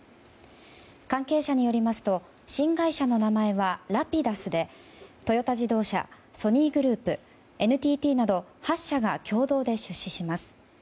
関係者によりますと新会社の名前はＲａｐｉｄｕｓでトヨタ自動車、ソニーグループＮＴＴなど８社が共同で出資します。